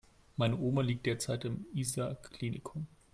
Meine Oma liegt derzeit im Isar Klinikum.